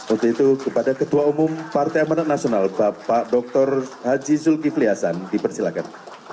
untuk itu kepada ketua umum partai amanat nasional bapak dr haji zulkifli hasan dipersilakan